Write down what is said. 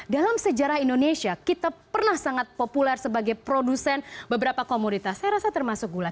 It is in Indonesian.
dalam sejarah indonesia kita pernah sangat populer sebagai produsen beberapa komoditas saya rasa termasuk gula